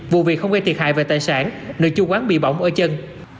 vụ việc không gây thiệt hại về tài sản nơi chủ quán bị bỏng ở chân